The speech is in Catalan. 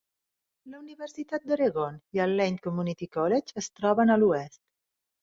La Universitat d'Oregon i el Lane Community College es troben a l'oest.